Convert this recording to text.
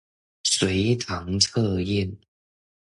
隨堂測驗